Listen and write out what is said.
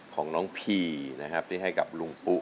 ของน้องพีนะครับที่ให้กับลุงปุ๊